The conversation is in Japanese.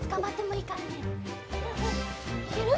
いける？